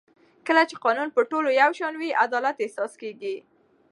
کله چې قانون پر ټولو یو شان وي عدالت احساس کېږي